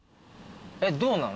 えっどうなの？